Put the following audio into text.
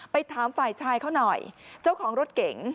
ถามฝ่ายชายเขาหน่อยเจ้าของรถเก๋ง